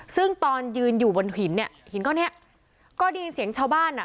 ซึ่งตอนยืนอยู่บนหินเนี่ยหินก้อนเนี้ยก็ได้ยินเสียงชาวบ้านอ่ะ